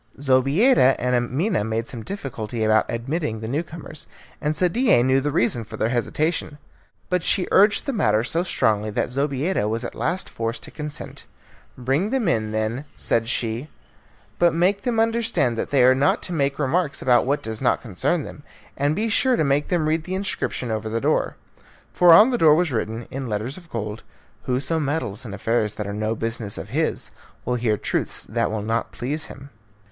Zobeida and Amina made some difficulty about admitting the new comers, and Sadie knew the reason of their hesitation. But she urged the matter so strongly that Zobeida was at last forced to consent. "Bring them in, then," said she, "but make them understand that they are not to make remarks about what does not concern them, and be sure to make them read the inscription over the door." For on the door was written in letters of gold, "Whoso meddles in affairs that are no business of his, will hear truths that will not please him."